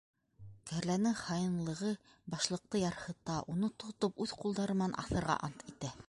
Кәрләнең хаинлығы башлыҡты ярһыта, уны тотоп, үҙ ҡулдары менән аҫырға ант итә.